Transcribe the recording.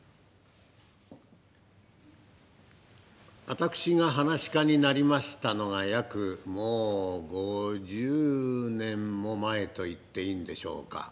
私が噺家になりましたのが約もう５０年も前と言っていいんでしょうか。